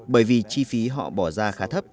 bởi vì chi phí họ bỏ ra khá thấp